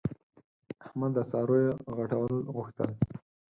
احمد د څارویو غټول غوښتل.